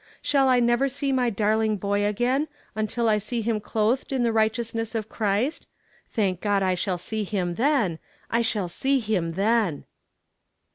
Shall I never see my darling boy again, until I see him clothed in the righteousness of Christ thank God I shall see him then I shall see him then."